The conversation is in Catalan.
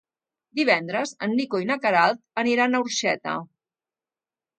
Divendres en Nico i na Queralt aniran a Orxeta.